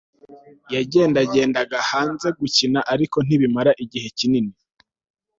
yagendagendaga hanze gukina ariko ntibimara igihe kinini